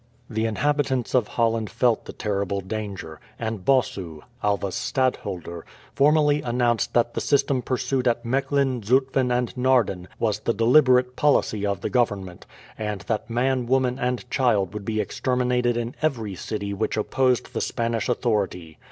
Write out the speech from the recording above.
The inhabitants of Holland felt the terrible danger; and Bossu, Alva's stadtholder, formally announced that the system pursued at Mechlin, Zutphen, and Naarden was the deliberate policy of the government, and that man, woman, and child would be exterminated in every city which opposed the Spanish authority.